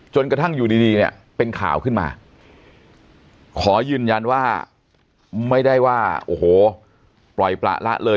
กระทั่งอยู่ดีเนี่ยเป็นข่าวขึ้นมาขอยืนยันว่าไม่ได้ว่าโอ้โหปล่อยประละเลย